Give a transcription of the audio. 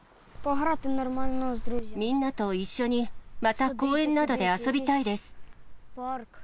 みんなと一緒に、また公園などで遊びたいです。